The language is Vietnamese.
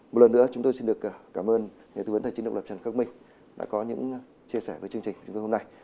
một lần nữa chúng tôi xin được cảm ơn nhà thư vấn tài chính độc lập trần các minh đã có những chia sẻ với chương trình hôm nay